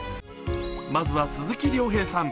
まずは鈴木亮平さん